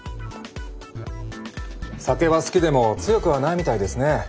酒は好きでも強くはないみたいですね。